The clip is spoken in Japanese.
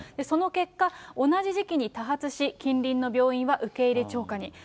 その結果、同じ時期に多発し、近隣の病院は受け入れ超過に。